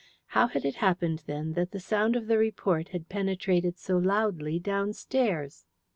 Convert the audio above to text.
How had it happened, then, that the sound of the report had penetrated so loudly downstairs?